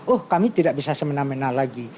oh kami tidak bisa semena mena lagi